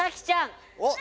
おっ！